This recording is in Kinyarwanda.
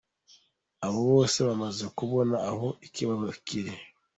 Abo bose bamaze kubona aho ikibazo kiri!